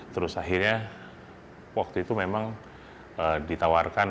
terus akhirnya waktu itu memang ditawarkan